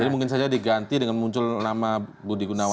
jadi mungkin saja diganti dengan muncul nama budi gunawan ini